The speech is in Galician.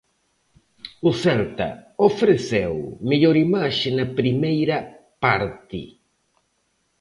O Celta ofreceu mellor imaxe na primeira parte.